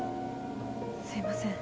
すいません